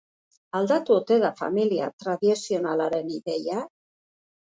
Aldatu ote da familia tradizionalaren ideia?